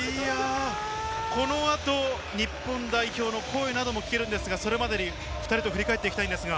このあと日本代表の声なども聞けるんですが、それまでに振り返っていきたい思います。